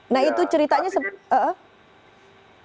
nah itu ceritanya sempat